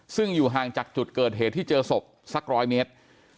ซึ่งอยู่ห่างจากจุดเกิดเหตุที่เจอศพสัก๑๐๐เมตร